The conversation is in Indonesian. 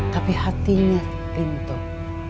tapi hatinya rintuh